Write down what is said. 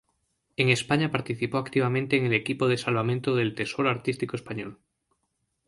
En España participó activamente en el equipo de salvamento del tesoro artístico español.